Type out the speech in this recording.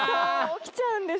おきちゃうんです。